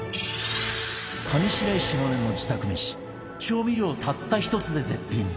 上白石萌音の自宅めし調味料たった１つで絶品！